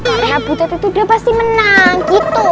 karena butet itu udah pasti menang gitu